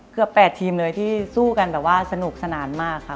เกือบ๘ทีมเลยที่สู้กันแบบว่าสนุกสนานมากค่ะ